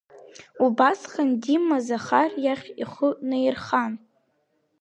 Убасҟан, Дима Захар иахь ихы наирхан…